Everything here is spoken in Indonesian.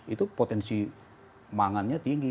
itu potensi mangannya tinggi